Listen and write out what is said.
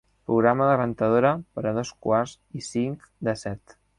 Programa la rentadora per a dos quarts i cinc de set.